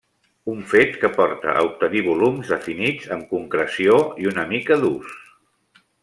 Un fet que porta a obtenir volums, definits amb concreció i una mica durs.